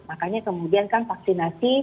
makanya kemudian kan vaksinasi